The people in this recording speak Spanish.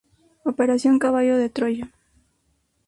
Operación Caballo de Troya".